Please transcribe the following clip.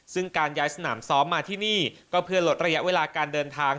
ซึ่งการย้ายสนามซ้อมมาที่นี่ก็เพื่อลดระยะเวลาการเดินทาง